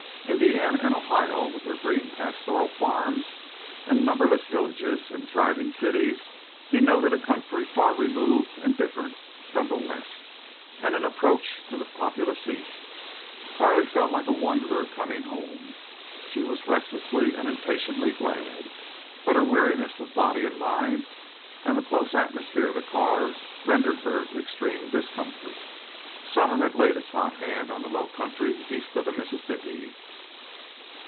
Indiana and Ohio, with their green pastoral farms, and numberless villages, and thriving cities, denoted a country far removed and different from the West, and an approach to the populous East. Carley felt like a wanderer coming home. She was restlessly and impatiently glad. But her weariness of body and mind, and the close atmosphere of the car, rendered her extreme discomfort. Summer had laid its hot hand on the low country east of the Mississippi.